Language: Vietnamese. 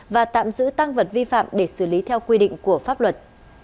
và tạm giữ tăng vật vi phạm để xử lý theo quy định của pháp luật